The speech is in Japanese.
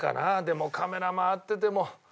でもカメラ回ってても。